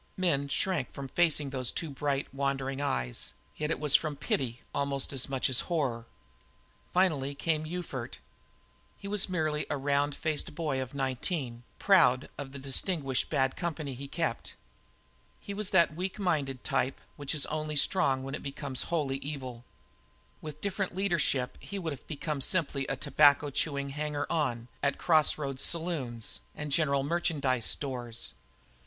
Men shrank from facing those too bright, wandering eyes, yet it was from pity almost as much as horror. Finally came Ufert. He was merely a round faced boy of nineteen, proud of the distinguished bad company he kept. He was that weak minded type which is only strong when it becomes wholly evil. With a different leadership he would have become simply a tobacco chewing hanger on at cross roads saloons and general merchandise stores.